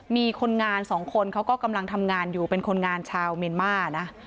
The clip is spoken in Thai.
มีคนงานสองคนเขาก็กำลังทำงานอยู่เป็นคนงานชาวเมียนมานะ